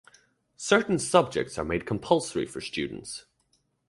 Certain subjects are made compulsory for students.